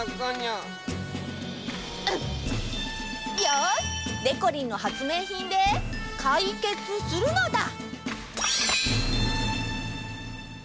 うん！よし！でこりんの発明品でかいけつするのだ！